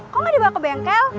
kok nggak dibawa ke bengkel